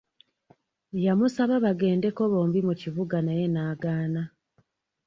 Yamusaba bagendeko bombi mu kibuga naye n'agaana.